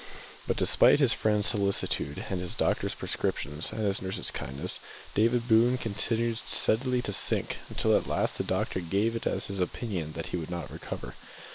But, despite his friend's solicitude, and his doctor's prescriptions, and his nurse's kindness, David Boone continued steadily to sink, until at last the doctor gave it as his opinion that he would not recover.